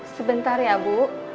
sebentar ya bu